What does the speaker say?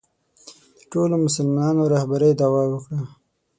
د ټولو مسلمانانو رهبرۍ دعوا وکړه